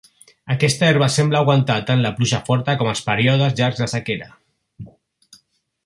Aquesta herba sembla aguantar tant la pluja forta com els períodes llargs de sequera.